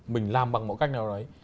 mình làm bằng mọi cách nào đó